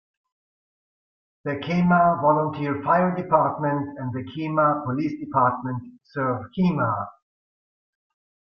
The Kemah Volunteer Fire Department and the Kemah Police Department serve Kemah.